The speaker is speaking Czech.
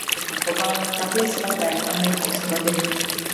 Byl pochován v kapli svaté Anny v Ostrově.